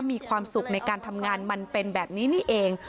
มีความสุขในการทำงานมันเป็นแบบนี้นี่เอง